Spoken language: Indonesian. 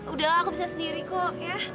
udah aku bisa sendiri kok ya